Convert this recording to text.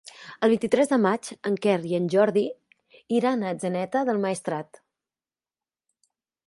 El vint-i-tres de maig en Quer i en Jordi iran a Atzeneta del Maestrat.